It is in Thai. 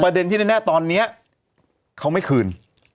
เด็นที่แน่ตอนนี้เขาไม่คืน